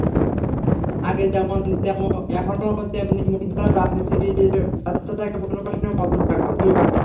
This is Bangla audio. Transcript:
আগে যেমন এখনো তেমনি মূলধারার রাজনীতির ব্যর্থতা তাদের পুনর্বাসনে মদদ জোগাবে।